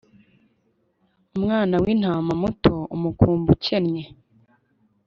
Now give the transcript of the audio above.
umwana w'intama muto, umukumbi ukennye